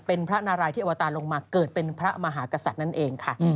เป็นพระนารายที่อวตาลงมาเกิดเป็นพระมหากษัตริย์นั่นเองค่ะ